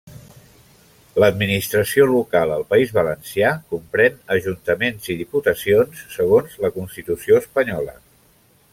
L'Administració local al País Valencià comprén ajuntaments i diputacions segons la Constitució espanyola.